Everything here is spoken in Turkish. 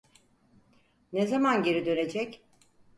Ne zaman geri dönecek?